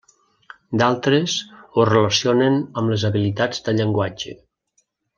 D'altres ho relacionen amb les habilitats de llenguatge.